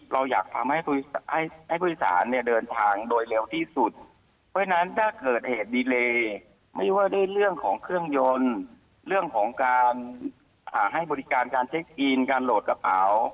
เรื่องของเครื่องยนต์เรื่องของการหาให้บริการการเช็คอินการโหลดกระเป๋า